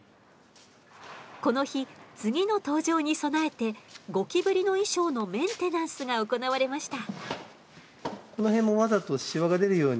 この日次の登場に備えてゴキブリの衣装のメンテナンスが行われました。